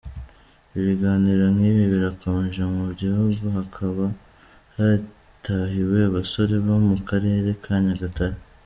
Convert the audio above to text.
Ibiganiro nk’ibi birakomeje mu gihugu, hakaba hatahiwe abasora bo mu karere ka Nyagatare.